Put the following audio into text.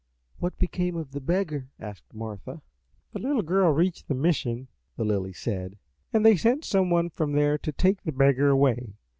"What became of the beggar?" asked Martha. "The little girl reached the mission," the Lily said, "and they sent some one from there to take the beggar away.